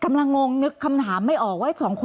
กำลังงงนึกคำถามไม่ออกว่า